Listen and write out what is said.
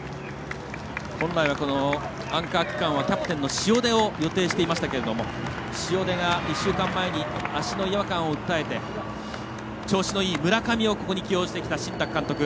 本来はアンカー区間はキャプテンの塩出を予定していましたが塩出が１週間前に足を違和感を訴えて調子のいい村上をここに起用してきた新宅監督。